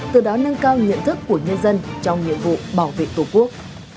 từ đó nâng cao nhận thức của nhân dân trong nhiệm vụ bảo vệ tổ quốc